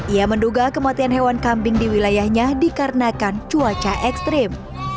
ia menduga kematian hewan kambing di wilayahnya dikarenakan cuaca ekstrim